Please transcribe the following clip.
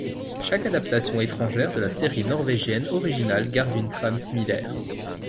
Chaque adaptation étrangère de la série norvégienne originale garde une trame similaire.